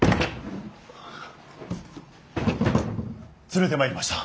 連れてまいりました。